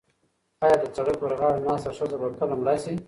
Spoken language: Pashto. ایا د سړک پر غاړه ناسته ښځه به کله مړه شي؟